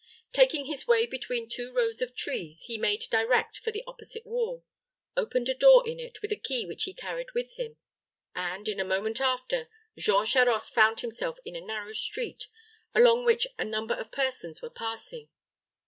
Taking his way between two rows of trees, he made direct for the opposite wall, opened a door in it with a key which he carried with him, and, in a moment after, Jean Charost found himself in a narrow street, along which a number of persons were passing.